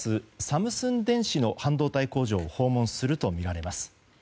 サムスン電子の半導体工場を訪問するとみられます。